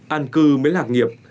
an cư mới lạc nghiệp